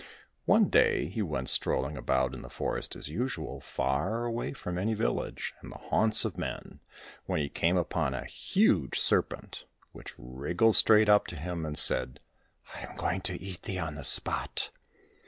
One day he went strolling about in the forest as usual, far from any village and the haunts of men, when he came upon a huge Serpent, which wriggled straight up to him and said, *' I am going to eat thee on the spot